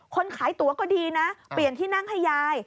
คนขายตัวก็ดีนะเปลี่ยนที่นั่งให้ยาย